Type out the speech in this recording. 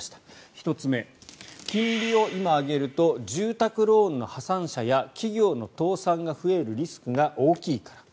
１つ目、金利を今上げると住宅ローンの破産者や企業の倒産が増えるリスクが大きいから。